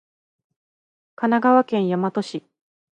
神奈川県大和市